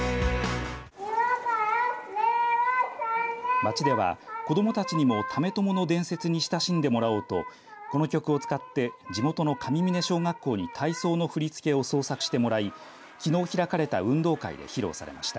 町では子どもたちに為朝の伝説に親しんでもらおうとこの曲を使って地元の上峰小学校に体操の振り付けを創作してもらいきのう開かれた運動会で披露されました。